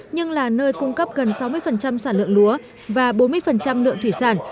nhưng là nơi cung cấp gần sáu mươi sản lượng lúa và bốn mươi lượng thủy sản